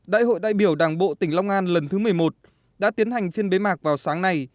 đại hội đại biểu đảng bộ tỉnh long an lần thứ một mươi một đã tiến hành phiên bế mạc vào sáng nay